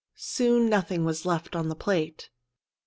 Soon nothing was left on the plate.